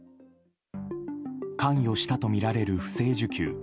関与したとみられる不正受給